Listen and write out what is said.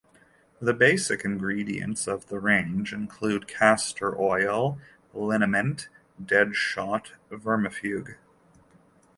The basic ingredients of the range included castor oil, liniment, 'dead shot' vermifuge.